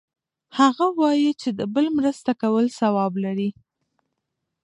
هغه وایي چې د بل مرسته کول ثواب لری